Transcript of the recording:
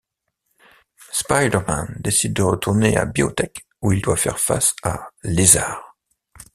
Spider-Man décide de retourner à BioTech, où il doit faire face à Lézard.